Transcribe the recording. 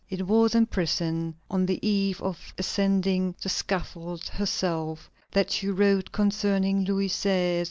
It was in prison, on the eve of ascending the scaffold herself, that she wrote concerning Louis XVI.